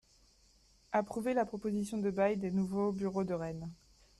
approuver la proposition de bail des nouveaux bureaux de Rennes.